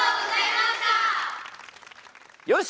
よし！